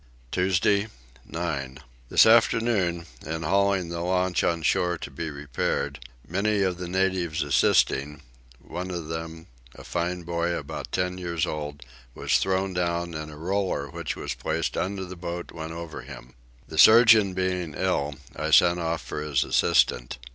Tuesday 9. This afternoon, in hauling the launch on shore to be repaired, many of the natives assisting, one of them, a fine boy about ten years old, was thrown down and a roller which was placed under the boat went over him. The surgeon being ill I sent off for his assistant.